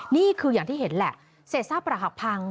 นี่คืออย่างที่เห็นแหละเศษซากประหักพัง